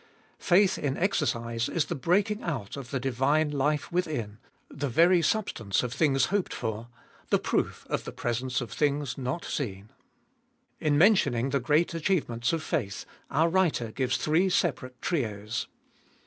Faith in exercise is the breaking out of the divine life within, the very substance of things hoped for, the proof of the presence of things not seen. 30 466 ftbe Dolfest of In mentioning the great achievements of faith, our writer gives three separate trios.